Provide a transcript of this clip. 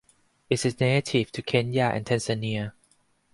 It is native to Kenya and Tanzania.